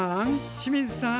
清水さん！